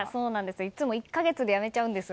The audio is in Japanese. いつも１か月でやめちゃうんですよ